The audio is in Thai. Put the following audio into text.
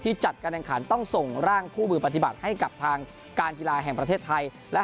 ที่จัดการแบ่งขันต้องส่งร่างผู้บือปฏิบัติให้กับทางการกีฬา